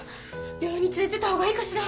病院に連れてったほうがいいかしら？